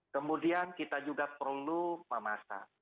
kemudian kita juga perlu memasak